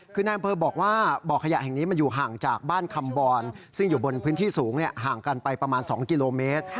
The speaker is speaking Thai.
คือนายอำเภอบอกว่าบ่อขยะแห่งนี้มันอยู่ห่างจากบ้านคำบรซึ่งอยู่บนพื้นที่สูงห่างกันไปประมาณ๒กิโลเมตร